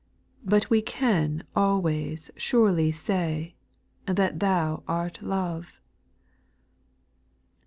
But we can always surely say, That Thou art love.